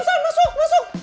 eh sam sam masuk masuk